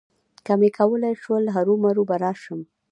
که مې کولای شول، هرومرو به راشم.